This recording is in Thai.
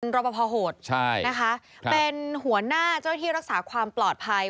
เป็นรปภโหดเป็นหัวหน้าเจ้าที่รักษาความปลอดภัย